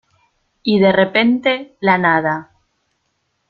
y, de repente , la nada